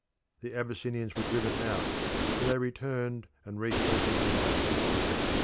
The Abyssinians were driven out, but they returned and re conquered the land.